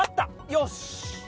よし！